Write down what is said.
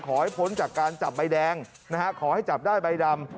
พ้นจากการจับใบแดงนะฮะขอให้จับได้ใบดำ